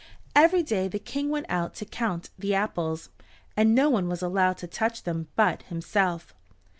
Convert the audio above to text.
Every day the King went out to count the apples, and no one was allowed to touch them but himself.